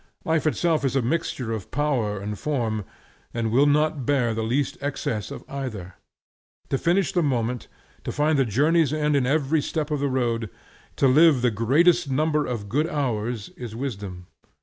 Life itself is a mixture of power and form, and will not bear the least excess of either. To finish the moment, to find the journey's end in every step of the road, to live the greatest number of good hours, is wisdom.